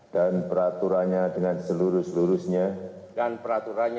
dan peraturannya dengan seluruh seluruhnya